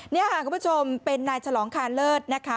นี่ค่ะคุณผู้ชมเป็นนายฉลองคาเลิศนะคะ